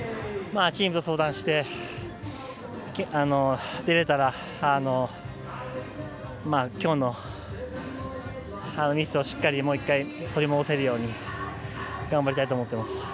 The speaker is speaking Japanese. チームと相談して出られたら、今日のミスをしっかりもう１回取り戻せるように頑張りたいと思っています。